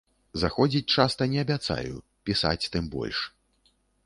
Заходзіць часта не абяцаю, пісаць, тым больш.